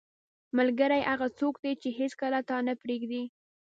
• ملګری هغه څوک دی چې هیڅکله تا نه پرېږدي.